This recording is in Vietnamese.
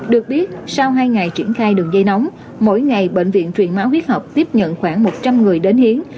được biết sau hai ngày triển khai đường dây nóng mỗi ngày bệnh viện truyền máu huyết học tiếp nhận khoảng một trăm linh người đến hiến